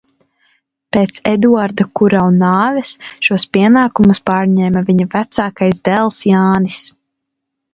Pēc Eduarda Kurau nāves šos pienākumus pārņēma viņa vecākais dēls Jānis.